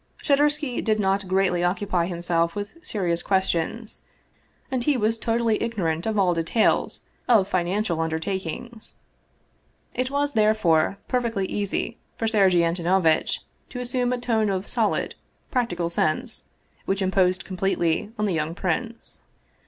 Shadursky did not greatly occupy himself with serious questions and he was totally ignorant of all details of financial undertakings. It was, therefore, perfectly easy for Sergei Antonovitch to assume a tone of solid, practical sense, which imposed completely on the young prince.